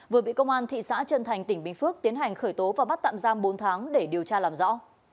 vừa bị công an thị xã trân thành tỉnh bình phước tiến hành khởi tố và bắt tạm giam bốn tháng để điều tra làm rõ